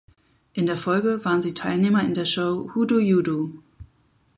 In der Folge waren sie Teilnehmer in der Show "Who Do You Do".